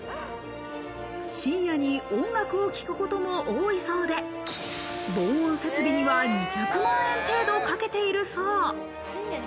深夜に音楽を聴くことも多いそうで、防音設備には２００万円程度かけているそう。